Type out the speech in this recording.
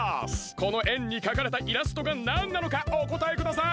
このえんにかかれたイラストがなんなのかおこたえください！